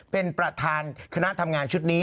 เป็นประธานคณะทำงานชุดนี้